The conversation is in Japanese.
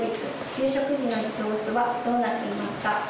給食時の様子はどうなっていますか？